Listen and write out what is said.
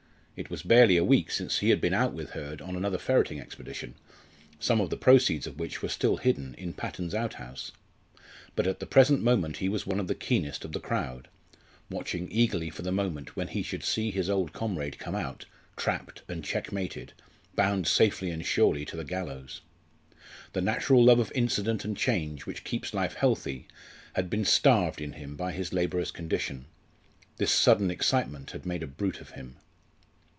It was barely a week since he had been out with Hurd on another ferreting expedition, some of the proceeds of which were still hidden in Patton's outhouse. But at the present moment he was one of the keenest of the crowd, watching eagerly for the moment when he should see his old comrade come out, trapped and checkmated, bound safely and surely to the gallows. The natural love of incident and change which keeps life healthy had been starved in him by his labourer's condition. This sudden excitement had made a brute of him.